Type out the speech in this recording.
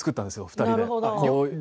２人で。